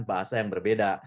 bahasa yang berbeda